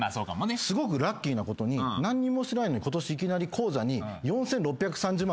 すごくラッキーなことに何にもしてないのに今年いきなり口座に４，６３０万。